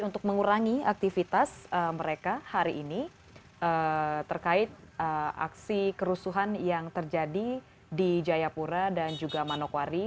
untuk mengurangi aktivitas mereka hari ini terkait aksi kerusuhan yang terjadi di jayapura dan juga manokwari